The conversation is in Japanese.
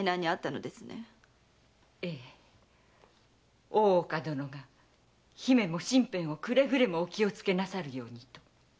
ええ大岡殿が姫もくれぐれも身辺をお気をつけなさるようにと。